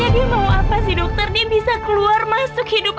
aku gak tau apa yang kamu rasain